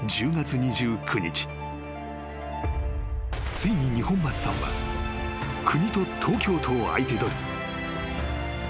［ついに二本松さんは国と東京都を相手取り］